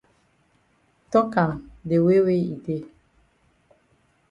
Tok am de way wey e dey.